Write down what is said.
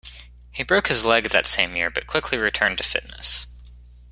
He broke his leg that same year, but quickly returned to fitness.